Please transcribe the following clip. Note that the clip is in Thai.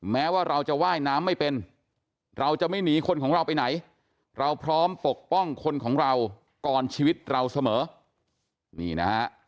แม้ว่าเราจะว่ายน้ำไม่เป็นเราจะไม่หนีคนของเราไปไหน